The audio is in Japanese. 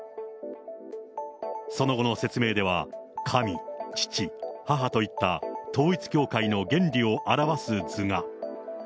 その後の説明では、神、父、母といった、統一教会の原理を表す図が。